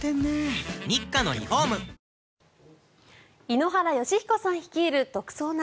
井ノ原快彦さん率いる「特捜９」。